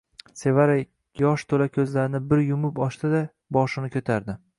Sevara yosh to`la ko`zlarini bir yumib ochdi-da, boshini ko`tardi